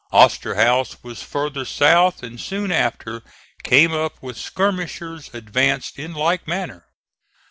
Osterhaus was farther south and soon after came up with skirmishers advanced in like manner.